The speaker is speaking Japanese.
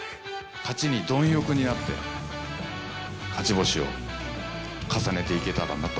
勝ちにどん欲になって、勝ち星を重ねていけたらなと。